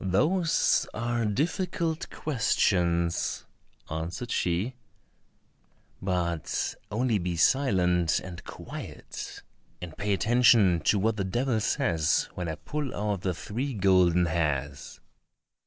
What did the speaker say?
"Those are difficult questions," answered she, "but only be silent and quiet and pay attention to what the devil says when I pull out the three golden hairs."